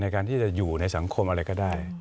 การที่จะอยู่ในสังคมอะไรก็ได้